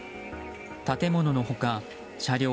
建物の他、車両